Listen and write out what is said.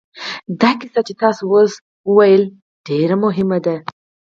دا کیسه چې تاسې اوس ولوسته ډېره مهمه ده